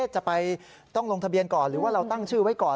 จะต้องลงทะเบียนก่อนหรือว่าเราตั้งชื่อไว้ก่อน